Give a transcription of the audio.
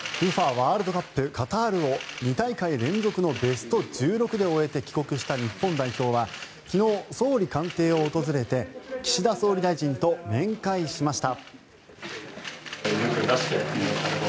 ワールドカップカタールを２大会連続のベスト１６で終えて帰国した日本代表は昨日、総理官邸を訪れて岸田総理大臣と面会しました。